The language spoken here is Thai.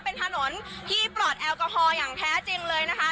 เป็นถนนที่ปลอดแอลกอฮอล์อย่างแท้จริงเลยนะคะ